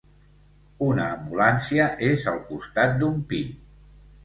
Una ambulància és al costat d'un pi.